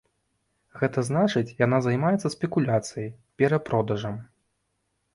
Гэта значыць, яна займаецца спекуляцыяй, перапродажам.